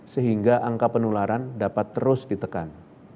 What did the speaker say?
sehingga angka penularan dapat terus ditekan